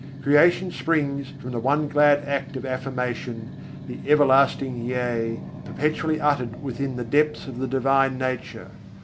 Creation springs from one glad act of affirmation: the Everlasting Yea, perpetually uttered within the depths of the Divine Nature.